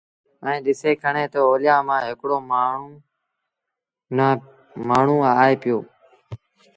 ائيٚݩ ڏسي کڻي تا اوليآ مآݩ هڪڙو مآڻهوٚٚݩآئي پيو